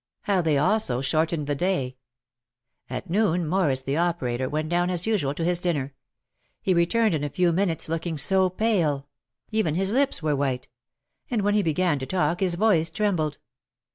How they also shortened the day ! At noon Morris, the operator, went down as usual to his dinner. He returned in a few minutes looking so pale. Even his lips were white. And when he began to talk his voice trembled.